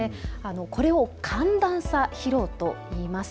これを寒暖差疲労といいます。